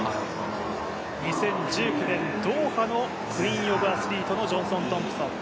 ２０１９年ドーハのクイーンオブアスリートのジョンソン・トンプソン。